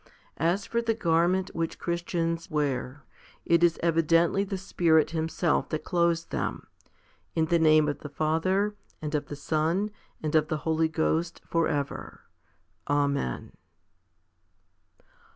As for the garment which Christians wear, it is evidently the Spirit Himself that clothes them, in the name of the Father and of the Son and of the Holy Ghost for ever. Amen.